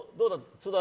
津田